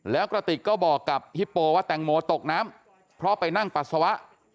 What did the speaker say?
แล้วกระติกก็บอกกับฮิปโปว่าแตงโมตกน้ำเพราะไปนั่งปัสสาวะ